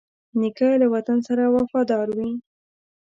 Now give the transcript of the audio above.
نیکه له وطن سره وفادار وي.